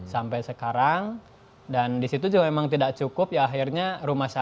sampai sekarang dan disitu juga memang tidak cukup ya akhirnya rumah saya sudah berubah